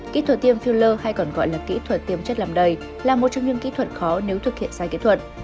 kỹ thuật tiêm filler hay còn gọi là kỹ thuật tiêm chất làm đầy là một trong những kỹ thuật khó nếu thực hiện sai kỹ thuật